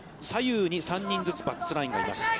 左右に３人ずつバックスラインがいます。